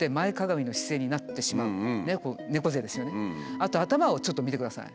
あと頭をちょっと見てください。